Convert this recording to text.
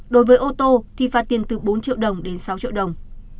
đối với ô tô thì phạt tiền từ bốn triệu đồng đến sáu triệu đồng